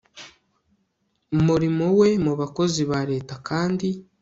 umurimo we mu bakozi ba Leta kandi